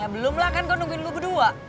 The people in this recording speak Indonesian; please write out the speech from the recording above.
ya belum lah kan gue nungguin lo berdua